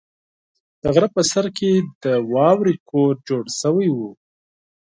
د غره په سر کې د واورې کور جوړ شوی و.